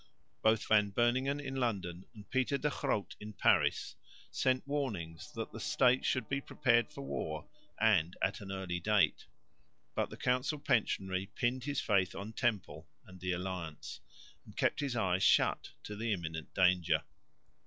Both Van Beuningen in London and Pieter de Groot in Paris sent warnings that the States should be prepared for war and at an early date, but the council pensionary pinned his faith on Temple and the Alliance, and kept his eyes shut to the imminent danger.